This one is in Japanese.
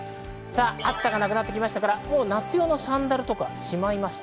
暑さがなくなってきて夏用のサンダルとかしまいました？